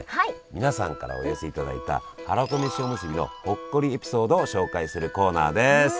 皆さんからお寄せいただいたはらこめしおむすびのほっこりエピソードを紹介するコーナーです。